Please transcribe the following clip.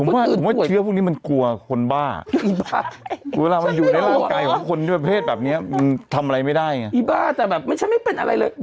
ไม่เป็นอะไรเลยครับผมว่าเชื้อพวกนี้มันกลัวคนบ้าน